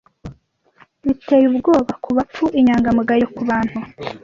biteye ubwoba kubapfu inyangamugayo kubantu